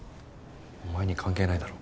お前に関係ないだろ。